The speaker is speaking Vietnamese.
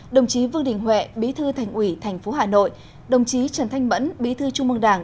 đồng chí vương đình huệ bế thư thành ủy thành phố hà nội đồng chí trần thanh mẫn bế thư trung mương đảng